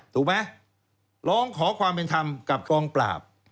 ถูกไหมร้องขอความเป็นธรรมกับกองปราบ